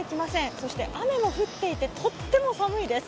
そして雨も降っていてとっても寒いです。